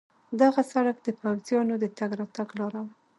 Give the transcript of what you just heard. دغه سړک د پوځیانو د تګ راتګ لار وه.